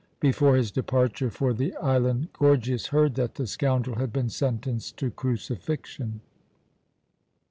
Before his departure for the island Gorgias heard that the scoundrel had been sentenced to crucifixion.